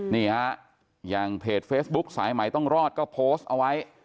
นี่ฮะอย่างเพจเฟซบุ๊คสายใหม่ต้องรอดก็โพสต์เอาไว้